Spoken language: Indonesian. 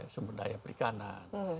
sumber daya perikanan